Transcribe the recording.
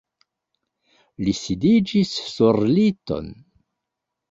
Li sidiĝis sur liton.